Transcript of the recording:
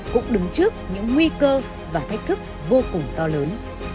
cũng đứng trước những nguy cơ và thách thức vô cùng to lớn